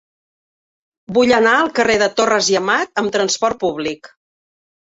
Vull anar al carrer de Torres i Amat amb trasport públic.